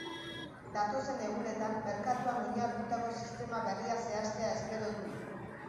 Datozen egunetan merkatuan oinarritutako sistema berria zehaztea espero du.